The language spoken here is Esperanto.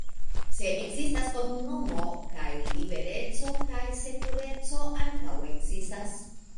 Se ekzistas komunumo, kaj libereco kaj sekureco ankaŭ ekzistas.